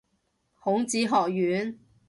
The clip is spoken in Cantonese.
孔子學院